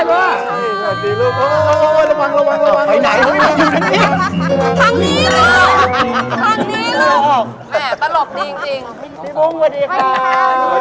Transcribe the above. ลูกเหมือนวิ่งได้เลยอะ